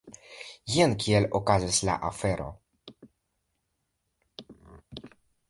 Jen kiel okazis la afero!